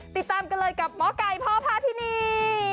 ติดตามกันเลยกับหมอไก่พ่อพาทินี